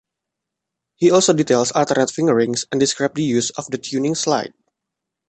He also details alternate fingerings and describes the use of the tuning slide.